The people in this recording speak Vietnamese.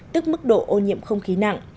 tức mức độ ô nhiệm không khí nặng